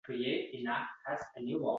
Bu payt qorni judayam ochgandi.